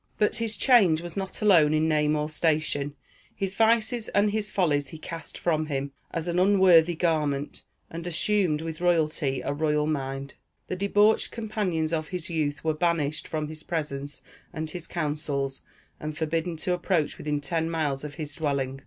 But his change was not alone in name or station; his vices and his follies he cast from him, as an unworthy garment, and assumed with royalty a royal mind. The debauched companions of his youth were banished from his presence and his counsels, and forbidden to approach within ten miles of his dwelling.